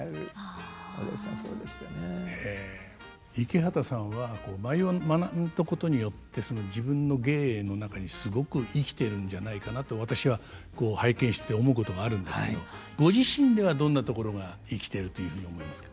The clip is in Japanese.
池畑さんは舞を学んだことによって自分の芸の中にすごく生きてるんじゃないかなって私は拝見して思うことがあるんですけどご自身ではどんなところが生きてるというふうに思いますか？